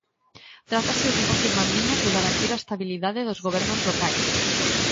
Trátase, din os 'irmandiños', de garantir a "estabilidade" dos gobernos locais.